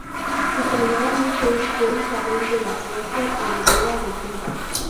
Su primera mujer fue Isabel de la Roche, heredera de Tebas.